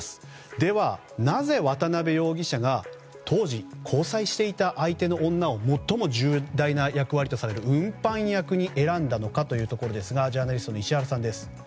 では、なぜ渡邉容疑者が当時、交際していた相手の女を最も重大な役割とされる運搬役に選んだのかというところですがジャーナリストの石原さんです。